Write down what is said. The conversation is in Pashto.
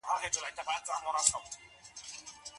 ژبه د خلکو د فکر انعکاس ده.